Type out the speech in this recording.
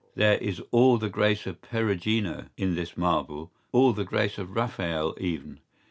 ¬Ý There is all the grace of Perugino in this marble, all the grace of Raphael even.